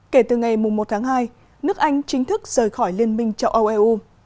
kể từ ngày một tháng hai nước anh chính thức rời khỏi liên minh châu âu eu